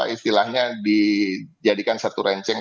istilahnya dijadikan satu renceng